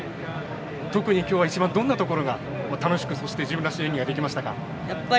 特にきょうは一番どんなところが楽しく自分らしい演技ができましたか？